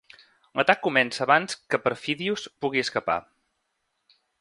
L'atac comença abans que Perfidius pugui escapar.